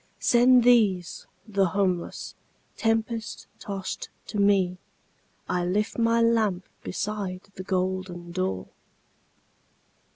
Send these, the homeless, tempest tost to me,I lift my lamp beside the golden door!"